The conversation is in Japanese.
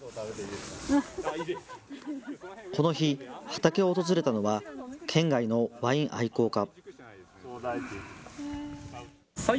この日、畑を訪れたのは県外のワイン愛好家。